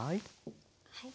はい。